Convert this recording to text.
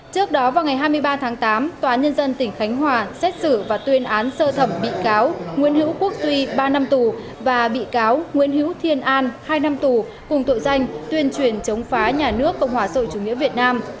trước đó vào ngày hai mươi ba tháng tám tòa nhân dân tỉnh khánh hòa xét xử và tuyên án sơ thẩm bị cáo nguyễn hữu quốc duy ba năm tù và bị cáo nguyễn hữu thiên an hai năm tù cùng tội danh tuyên truyền chống phá nhà nước cộng hòa sội chủ nghĩa việt nam